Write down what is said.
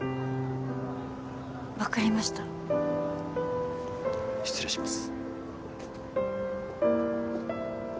分かりました失礼します